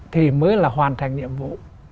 thì mới là hoàn thành nhiệm vụ